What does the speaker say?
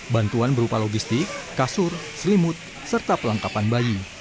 bantuan berupa logistik kasur selimut serta pelengkapan bayi